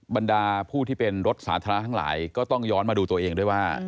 บรรดาผู้ที่เป็นรถสาธารณะทั้งหลายก็ต้องย้อนมาดูตัวเองด้วยว่า